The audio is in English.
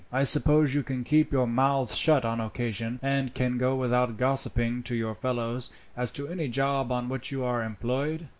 I suppose you can keep your mouths shut on occasion, and can go without gossiping to your fellows as to any job on which you are employed?"